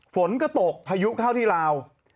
ฝนก็ตกพายุเข้าที่ลาว